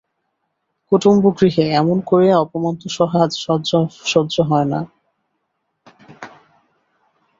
কুটুম্বগৃহে এমন করিয়া অপমান তো সহা যায় না।